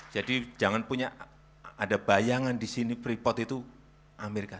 jadi jangan punya ada bayangan di sini breport itu amerika